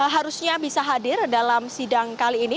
harusnya bisa hadir dalam sidang kali ini